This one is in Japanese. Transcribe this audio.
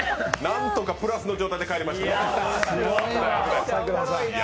なんとかプラスの状態で帰れましたね。